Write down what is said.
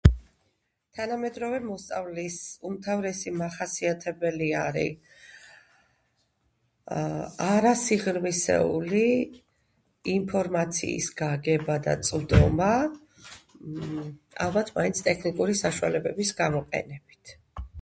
თანამედროვე მოსწავლის უმთავრესი მახასიათებელი არი არასიღრმისეული ინფორმაციის გაგება და წვდომა, ალბათ მაინც ტექნიკური საშუალებების გამოყენებით.